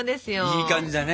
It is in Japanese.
いい感じだね。